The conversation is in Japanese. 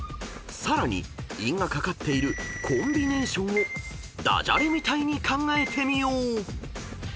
［さらに韻が掛かっている「コンビネーション」を駄じゃれみたいに考えてみよう！］